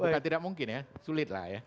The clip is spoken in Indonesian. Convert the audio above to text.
bukan tidak mungkin ya sulit lah ya